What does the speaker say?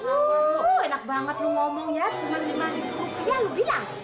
uh enak banget lu ngomong ya cuma lima rupiah lu bilang